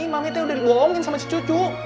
mami teh udah dibohongin sama si cucu